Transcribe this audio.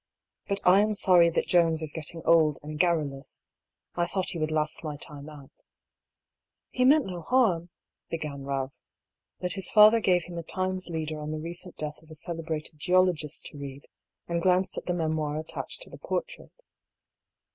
" But I am sorry that Jones is getting old and garrulous. I thought he would last my time out." A DISAPPOINTMENT. 187 "He meant no harm " began Ralph; but his father gave him a Times leader on the recent death of a celebrated geologist to read, and glanced at the memoir attached to the portrait.